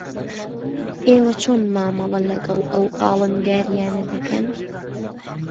ئێوە چۆن مامەڵە لەگەڵ ئەو ئاڵنگارییانە دەکەن؟